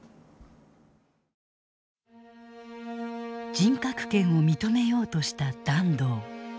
人格権を認めようとした團藤。